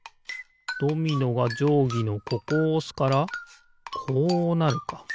ドミノがじょうぎのここをおすからこうなるか。